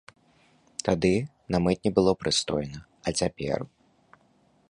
Тады на мытні было прыстойна, а цяпер?